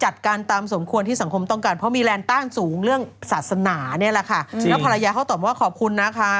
ด้วยพระระยาเขาตอบว่าขอบคุณนะค่ะ